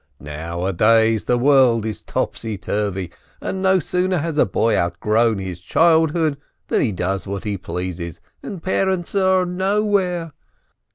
Nowadays the world is topsyturvy, and no sooner has a boy out grown his childhood than he does what he pleases, and parents are nowhere.